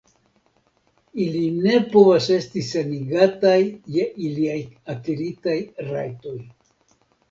Ili ne povas esti senigataj je iliaj akiritaj rajtoj.